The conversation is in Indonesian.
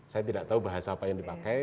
saya tidak tahu bahasa apa yang dipakai